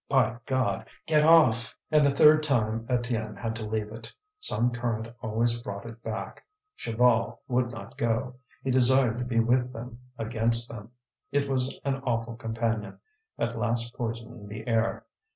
"By God! Get off!" And the third time Étienne had to leave it. Some current always brought it back. Chaval would not go; he desired to be with them, against them. It was an awful companion, at last poisoning the air.